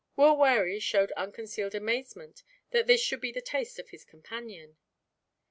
Will Wherry showed unconcealed amazement that this should be the taste of his companion.